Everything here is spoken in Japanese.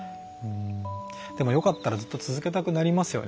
でもよかったらずっと続けたくなりますよね。